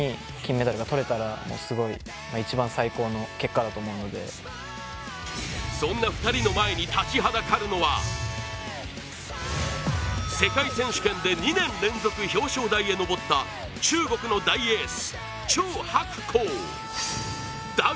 目標はもちろんそんな２人の前に立ちはだかるのは世界選手権で２年連続表彰台へ上った中国の大エース。